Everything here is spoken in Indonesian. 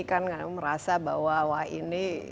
kan merasa bahwa ini